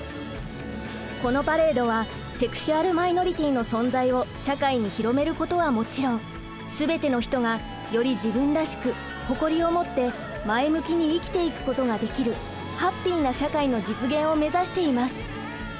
このパレードはセクシュアル・マイノリティーの存在を社会に広めることはもちろん全ての人がより自分らしく誇りを持って前向きに生きていくことができるハッピーな社会の実現をめざしています。